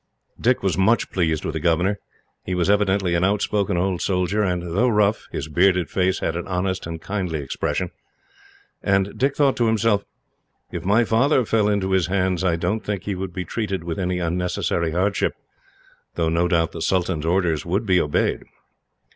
Dick was much pleased with the governor. He was evidently an outspoken old soldier and, though rough, his bearded face had an honest and kindly expression, and he thought to himself, "If my father fell into his hands, I don't think he would be treated with any unnecessary hardship, though no doubt the sultan's orders would be obeyed."